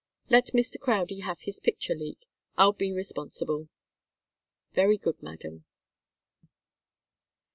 "Let Mr. Crowdie have his picture, Leek. I'll be responsible." "Very good, madam."